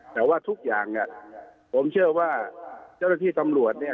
แต่ว่าทุกอย่างอะผมเชื่อว่าเจ้าที่ตำรวจเนี่ย